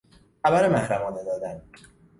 خبر محرمانه دادن